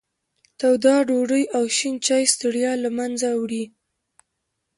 توده ډوډۍ او شین چای ستړیا له منځه وړي.